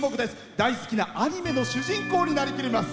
大好きなアニメの主人公になりきります。